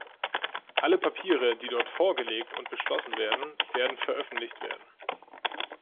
Alle Papiere, die dort vorgelegt und beschlossen werden, werden veröffentlicht werden.